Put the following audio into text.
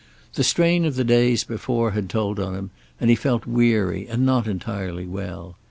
The strain of the days before had told on him, and he felt weary and not entirely well.